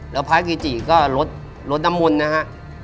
แล้วพร้ายกิจิก็รถน้ำมนต์นะฮะ